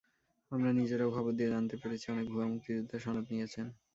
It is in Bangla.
আমরা নিজেরাও খবর নিয়ে জানতে পেরেছি, অনেক ভুয়া মুক্তিযোদ্ধা সনদ নিয়েছেন।